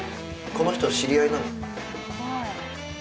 この人知り合いなの？